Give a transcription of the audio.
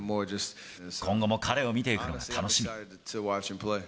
今後も彼を見ていくのが楽しみ。